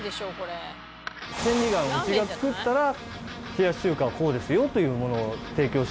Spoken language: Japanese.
千里眼うちが作ったら冷やし中華はこうですよというものを提供したくて。